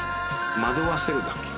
「惑わせるだけ」